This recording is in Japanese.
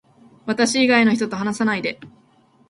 私以外の人と話さないで